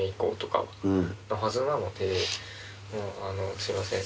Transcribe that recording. すいません